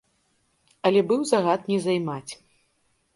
Але быў загад не займаць.